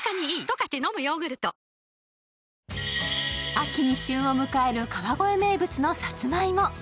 秋に旬を迎える川越名物のさつまいも。